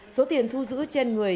số tiền thu giữ trên người